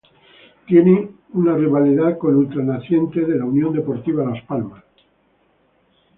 Tienen una rivalidad con Ultra Naciente de la Unión Deportiva Las Palmas.